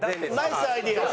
ナイスアイデア！